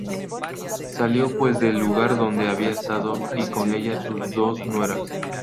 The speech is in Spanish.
Salió pues del lugar donde había estado, y con ella sus dos nueras.